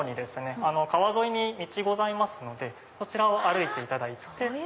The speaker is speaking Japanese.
川沿いに道ございますのでそちらを歩いていただいて。